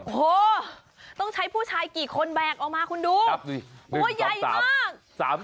โอ้โหต้องใช้ผู้ชายกี่คนแบกออกมาคุณดูตัวใหญ่มาก